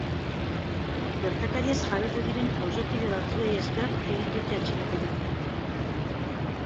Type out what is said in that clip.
Gertakariaz jabetu diren auzokide batzuei esker egin dute atxiloketa.